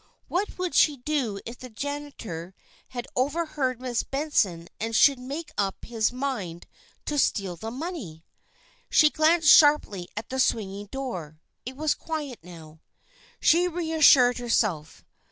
What would she do if the janitor had overheard Miss Benson and should make up his mind to steal the money? She glanced sharply at the swinging door. It was quiet now. She reassured herself.